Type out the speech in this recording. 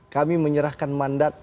kami menyerahkan mandat